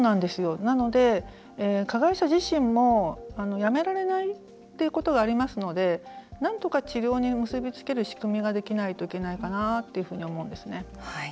なので、加害者自身もやめられないということがありますのでなんとか、治療に結び付ける仕組みができないといけないと思いますね。